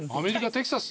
テキサース！